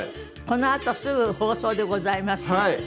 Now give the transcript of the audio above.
このあとすぐ放送でございます。